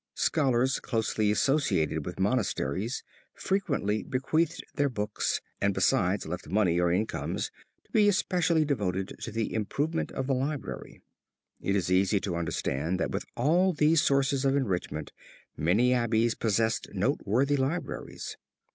Scholars closely associated with monasteries frequently bequeathed their books and besides left money or incomes to be especially devoted to the improvement of the library. It is easy to understand that with all these sources of enrichment many abbeys possessed noteworthy libraries.